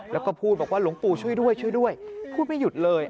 แล้วก็พูดบอกว่าหลวงปู่ช่วยด้วยช่วยด้วยพูดไม่หยุดเลย